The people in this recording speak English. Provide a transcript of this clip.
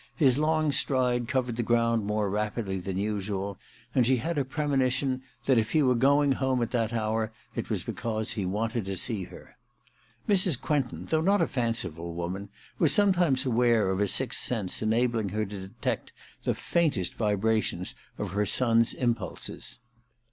His long stride covered the ground more rapidly than usual, and she had a premonition that, if he were going home at that hour, it was because he wanted to see her. Mrs. Quentin, though not a fanciful woman, was sometimes aware of a sixth sense enabling her to detect the faintest vibrations of her son's impulses.